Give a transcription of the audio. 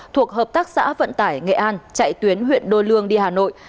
thuộc hợp tác xã vận tải nghệ an chạy tuyến huyện đôi lương đi hà nội